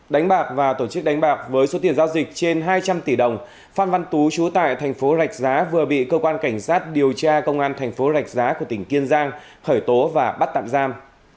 đánh bạc và tổ chức đánh bạc với số tiền giao dịch trên hai trăm linh tỷ đồng phan văn tú chú tại thành phố rạch giá vừa bị cơ quan cảnh sát điều tra công an thành phố rạch giá của tỉnh kiên giang khởi tố và bắt tạm giam